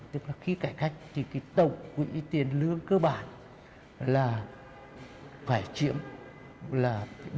tức là khi cải cách thì cái tổng quỹ tiền lương cơ bản là phải chiếm là bốn mươi